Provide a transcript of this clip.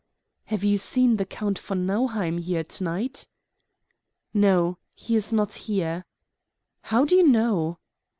"Have you seen the Count von Nauheim here to night?" "No, he is not here." "How do you know?"